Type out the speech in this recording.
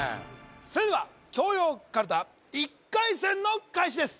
それでは教養カルタ１回戦の開始です